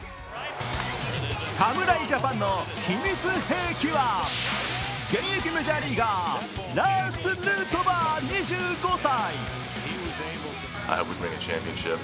侍ジャパンの秘密兵器は現役メジャーリーガー、ラーズ・ヌートバー２５歳。